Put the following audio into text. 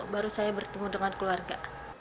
baru saya bertemu dengan keluarga